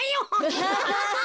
アハハハハ！